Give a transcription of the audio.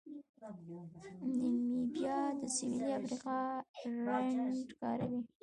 نیمیبیا د سویلي افریقا رینډ کاروي.